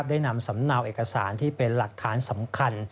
ได้นำสำเนาเอกสารที่เป็นหลักฐานสำคัญ